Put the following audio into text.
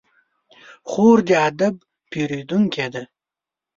خور د ادب پېرودونکې ده.